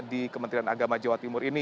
di kementerian agama jawa timur ini